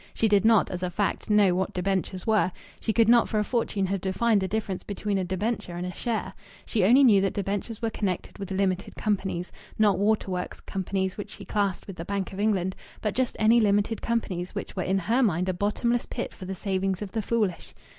She did not, as a fact, know what debentures were. She could not for a fortune have defined the difference between a debenture and a share. She only knew that debentures were connected with "limited companies" not waterworks companies, which she classed with the Bank of England but just any limited companies, which were in her mind a bottomless pit for the savings of the foolish.